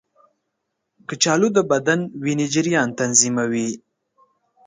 کچالو د بدن وینې جریان تنظیموي.